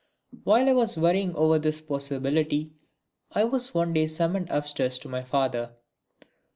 While I was worrying over this possibility I was one day summoned upstairs to my father.